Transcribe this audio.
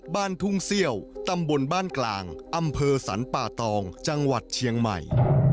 บ้านทุ่งเซี่ยวตำบลบ้านกลางอำเภอสรรป่าตองจังหวัดเชียงใหม่